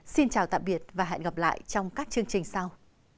xin chào tạm biệt và hẹn gặp lại trong các chương trình sau